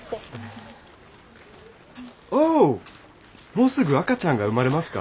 もうすぐ赤ちゃんが生まれますか？